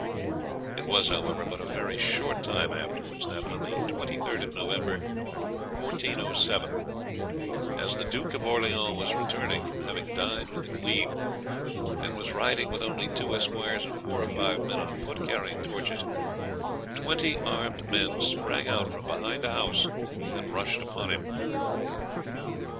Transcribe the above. It was, however, but a very short time afterwards that, on the 23d of November, 1407, as the Duke of Orleans was returning from having dined with the queen, and was riding with only two esquires and four or five men on foot carrying torches, twenty armed men sprang out from behind a house and rushed upon him.